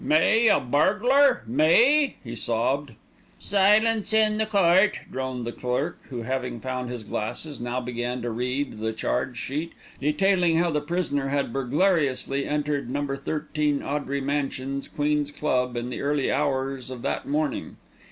"Me a burglar me?" he sobbed. "Silence in the court!" droned the clerk, who, having found his glasses, now began to read the charge sheet, detailing how the prisoner had burglariously entered No. 13 Audrey Mansions, Queen's Club, in the early hours of that morning.